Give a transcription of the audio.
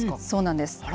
そうなんです。